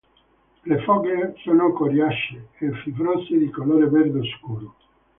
Le foglie sono coriacee e fibrose di colore verde scuro.